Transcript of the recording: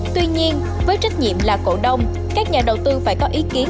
tuy nhiên với trách nhiệm là cổ đông các nhà đầu tư phải có ý kiến